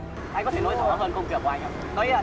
anh có thể nói rõ hơn công việc của anh không